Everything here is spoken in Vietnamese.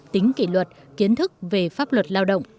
tính kỷ luật kiến thức về pháp luật